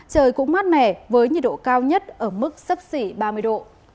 trời cũng mát mẻ với nhiệt độ cao nhất ở mức sấp xỉ ba mươi độ